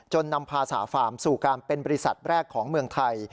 นำภาษาฟาร์มสู่การเป็นบริษัทแรกของเมืองไทย